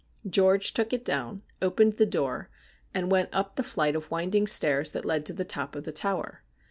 George took it down, opened the door, and went up the flight of winding stairs that led to the top of the tower.